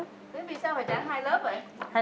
thế vì sao phải tráng hai lớp vậy